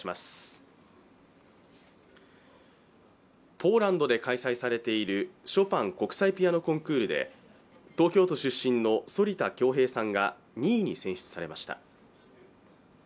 ポーランドで開催されているショパン国際ピアノコンクールで東京都出身の反田恭平さんが２位に選出されました。